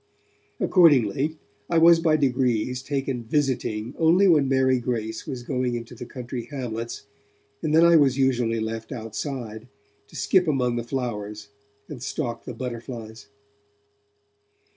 Accordingly, I was by degrees taken 'visiting' only when Mary Grace was going into the country hamlets, and then I was usually left outside, to skip among the flowers and stalk the butterflies.